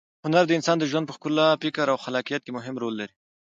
هنر د انسان د ژوند په ښکلا، فکر او خلاقیت کې مهم رول لري.